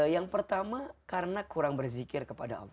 yang pertama karena kurang berzikir kepada allah